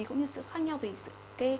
cũng như sự khác nhau về